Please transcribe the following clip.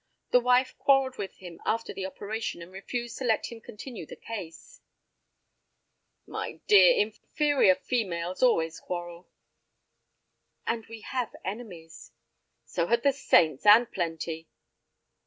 The wife quarrelled with him after the operation, and refused to let him continue the case." "My dear, inferior females always quarrel!" "And we have enemies." "So had the saints, and plenty."